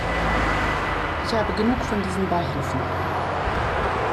Ich habe genug von diesen Beihilfen.